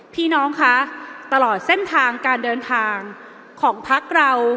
พี่น้องคะตลอดเส้นทางการเดินทางของพักเรา